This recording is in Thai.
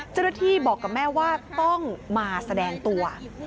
เจ้าหน้าที่บอกกับแม่ว่าต้องมาแสดงตัว